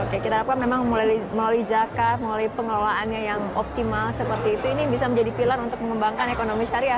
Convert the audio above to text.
oke kita harapkan memang melalui jaka melalui pengelolaannya yang optimal seperti itu ini bisa menjadi pilar untuk mengembangkan ekonomi syariah